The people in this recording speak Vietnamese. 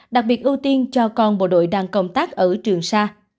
đặc biệt ưu tiên cho con bộ đội đang công tác ở trường sa